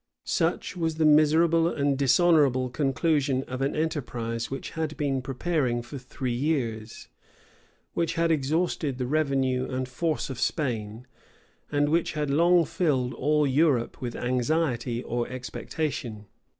Such was the miserable and dishonorable conclusion of an enterprise which had been preparing for three years, which had exhausted the revenue and force of Spain, and which had long filled all Europe with anxiety or expectation.